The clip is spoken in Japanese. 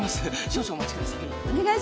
少々お待ちください。